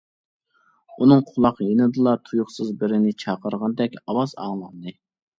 ئۇنىڭ قۇلاق يېنىدىلا تۇيۇقسىز بىرىنى چاقىرغاندەك ئاۋاز ئاڭلاندى.